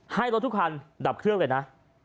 ให้รถทุกคันดับเครื่องเลยนะ